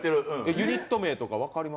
ユニット名とかわかります？